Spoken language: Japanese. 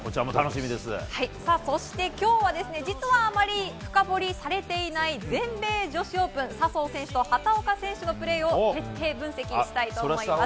そして今日は実はあまり深掘りされていない全米女子オープン笹生選手と畑岡選手のプレーを徹底分析したいと思います。